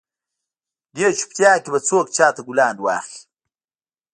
دې چوپیتا کې به څوک چاته ګلان واخلي؟